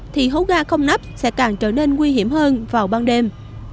thì hấu ga không nắp sẽ càng trở nên nguy hiểm hơn vào ban đêm